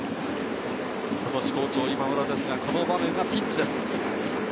今年好調の今村ですが、この場面はピンチです。